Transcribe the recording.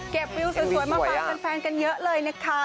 เก็บฟิวสวยมาฟังกันแฟนกันเยอะเลยนะคะ